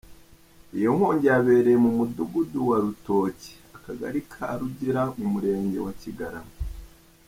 Iyi nkongi yabereye mu Mudugudu wa Rutoki, Akagari ka Karugira mu Murenge wa Kigarama.